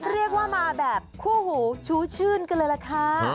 เรียกว่ามาแบบคู่หูชูชื่นกันเลยล่ะค่ะ